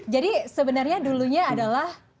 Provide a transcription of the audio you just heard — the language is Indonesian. jadi sebenarnya dulunya adalah